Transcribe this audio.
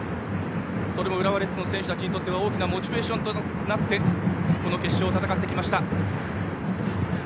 それも浦和レッズの選手たちにとっては大きなモチベーションとなってこの決勝を戦ってきました。